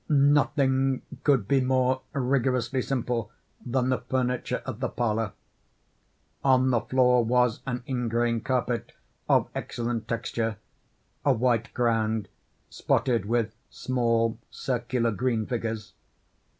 Nothing could be more rigorously simple than the furniture of the parlor. On the floor was an ingrain carpet, of excellent texture—a white ground, spotted with small circular green figures.